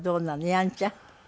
やんちゃ？